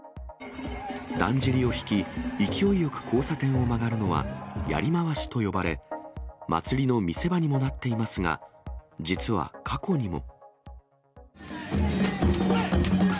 だんじりを引き、勢いよく交差点を回るのは、やり回しと呼ばれ、祭りの見せ場にもなっていますが、実は過去にも。